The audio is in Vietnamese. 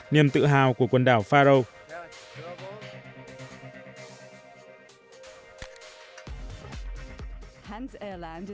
niềm tự hào của quần đảo faroe